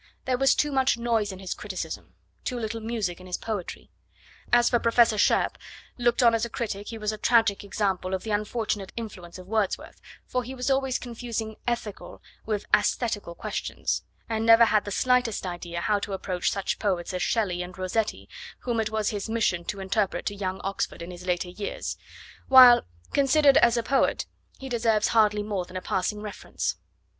There was too much noise in his criticism, too little music in his poetry. As for Professor Shairp, looked on as a critic he was a tragic example of the unfortunate influence of Wordsworth, for he was always confusing ethical with aesthetical questions, and never had the slightest idea how to approach such poets as Shelley and Rossetti whom it was his mission to interpret to young Oxford in his later years; while, considered as a poet, he deserves hardly more than a passing reference.